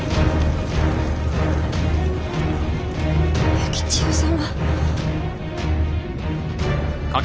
幸千代様！